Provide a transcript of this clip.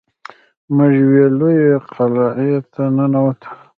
موږ یوې لویې قلعې ته ننوتو.